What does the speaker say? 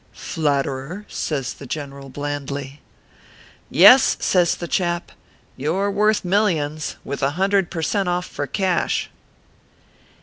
"Flatterer!" says the general blandly. " Yes," says the chap, " you re worth millions with a hundred per cent off for cash."